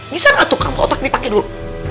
bisa gak tuh kamu otak ini pakai dulu